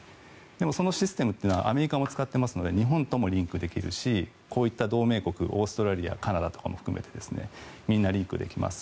でも、そのシステムってアメリカも使っていますので日本ともリンクできるしこういった同盟国オーストラリアとかカナダも含めてみんなリンクできます。